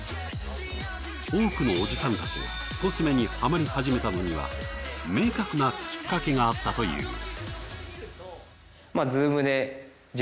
多くのおじさんたちがコスメにハマり始めたのには明確なきっかけがあったという。